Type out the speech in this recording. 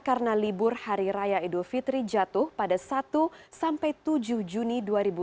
karena libur hari raya edo fitri jatuh pada satu sampai tujuh juni dua ribu sembilan belas